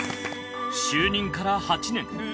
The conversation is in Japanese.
就任から８年。